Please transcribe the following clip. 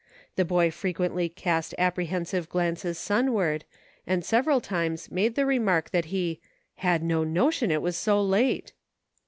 The boy frequently cast apprehensive glances sunward, and several times made the remark that he "had no notion it was so late."